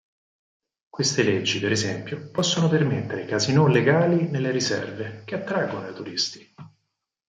Queste leggi, per esempio, possono permettere casinò legali nelle riserve, che attraggono i turisti.